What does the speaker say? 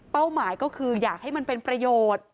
หมายก็คืออยากให้มันเป็นประโยชน์